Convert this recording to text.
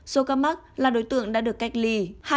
số ca mắc là đối tượng đã được cách ly hai một mươi chín ca